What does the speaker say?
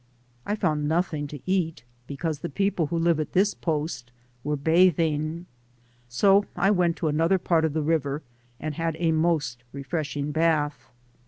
I found nothing to eat, be cause the people who live at this post were bathing, so I went to another part of the river, and had a most refreshing bathe.